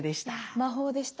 魔法でした。